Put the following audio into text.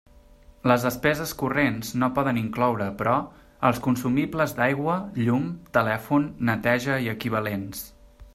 Les despeses corrents no poden incloure, però, els consumibles d'aigua, llum, telèfon, neteja i equivalents.